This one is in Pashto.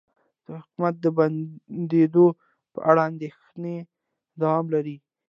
د حکومت د بندیدو په اړه اندیښنې دوام لري